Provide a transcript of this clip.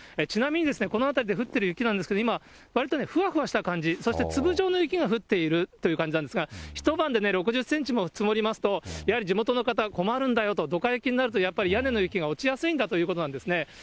ちなみにこの辺りで降っている雪なんですけど、今、わりとね、ふわふわした感じ、そして粒状の雪が降っているという感じなんですが、一晩で６０センチも積もりますと、やはり地元の方、困るんだよと、どか雪になるとやっぱり屋根の雪が落ちやすいんだということなんですね。